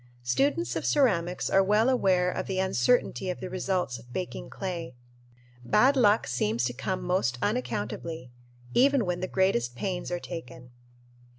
Students of ceramics are well aware of the uncertainty of the results of baking clay. Bad luck seems to come most unaccountably, even when the greatest pains are taken.